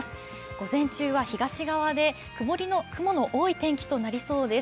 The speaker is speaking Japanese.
午前中は東側で雲の多い天気となりそうです。